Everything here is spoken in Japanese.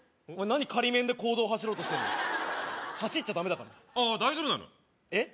何仮免で公道走ろうとしてんの走っちゃダメだからああ大丈夫なのよえっ？